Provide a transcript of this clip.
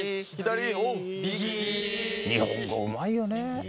日本語うまいよね。